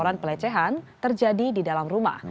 lepas itu tim jpu menjelaskan terjadi di dalam rumah